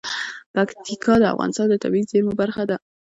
پکتیکا د افغانستان د طبیعي زیرمو برخه ده.